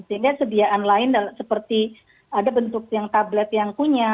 sehingga sediaan lain seperti ada bentuk yang tablet yang punya